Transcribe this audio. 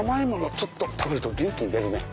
ちょっと食べると元気出るね。